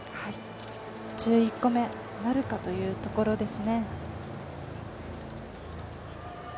１１個目なるかというところですね。